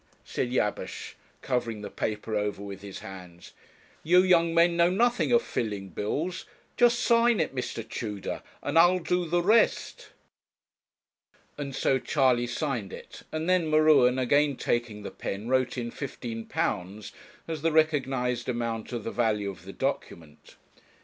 said Jabesh, covering the paper over with his hands; 'you young men know nothing of filling bills; just sign it, Mr. Tudor, and I'll do the rest.' And so Charley signed it, and then M'Ruen, again taking the pen, wrote in 'fifteen pounds' as the recognized amount of the value of the document.